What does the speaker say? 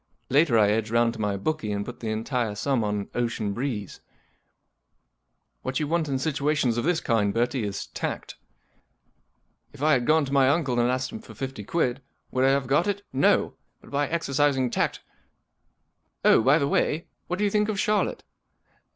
Later I edge round to my bookie and put the entire sum on Ocean Breeze, What you want in situations of this kind, Bertie, is tact* If I had gone to my uncle and asked him for fifty quid, would 1 have got it ? No I But by exercising tact —— Oh ! by the way, what do you think of Charlotte